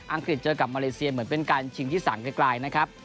กฤษเจอกับมาเลเซียเหมือนเป็นการชิงที่สั่งไกลนะครับ